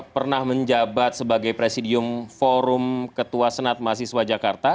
pernah menjabat sebagai presidium forum ketua senat mahasiswa jakarta